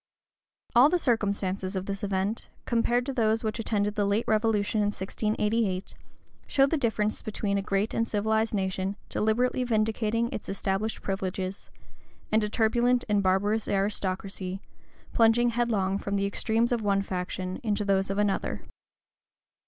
All the circumstances of this event, compared to those which attended the late revolution in 1688, show the difference between a great and civilized nation, deliberately vindicating its established privileges, and a turbulent and barbarous aristocracy, plunging headlong from the extremes of one faction into those of another.